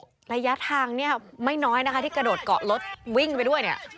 ระยะทางเนี่ยไม่น้อยนะคะที่กระโดดเกาะรถวิ่งไปด้วยเนี่ย